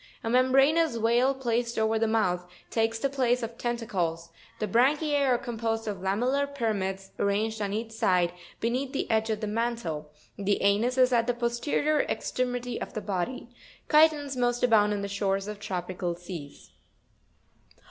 A membranous veil placed over the mouth, takes the place of tentacles ; the branchiz are composed of Fig. 79.—cuTon. lamellar pyramids, arranged on each side, beneath the edge of the mantle ; the anus is at the posterior extremity of the body. Chitons most abound on the shores of tropical seas.